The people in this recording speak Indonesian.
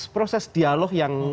proses dialog yang